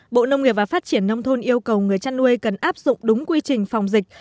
bộ nông nghiệp và phát triển nông thôn yêu cầu người chăn nuôi cần áp dụng đúng quy trình phòng dịch